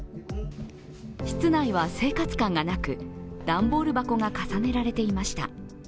室内は生活感がなく、段ボール箱が重ねられていました。